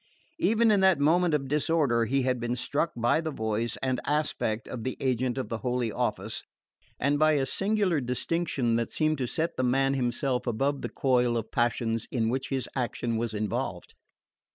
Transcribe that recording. Even in that moment of disorder he had been struck by the voice and aspect of the agent of the Holy Office, and by a singular distinction that seemed to set the man himself above the coil of passions in which his action was involved.